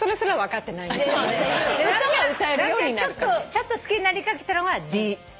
ちょっと好きになりかけてたのが。